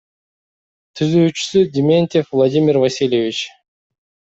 Түзүүчүсү — Дементев Владимир Васильевич.